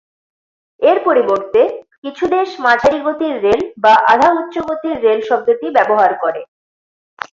এর পরিবর্তে কিছু দেশ মাঝারি-গতির রেল, বা আধা-উচ্চ গতির রেল শব্দটি ব্যবহার করে।